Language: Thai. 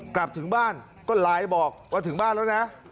กลับถึงบ้านก็ไลน์บอกว่าถึงบ้านแล้วนะ